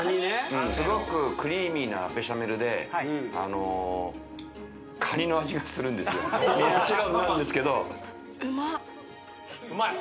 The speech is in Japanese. すごくクリーミーなベシャメルであのーカニの味がするんですよもちろんなんですけどうまっうまい？